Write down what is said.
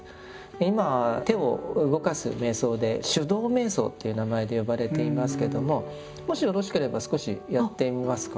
今手を動かす瞑想で「手動瞑想」という名前で呼ばれていますけどももしよろしければ少しやってみますか？